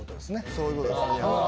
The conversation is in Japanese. そういうことですね。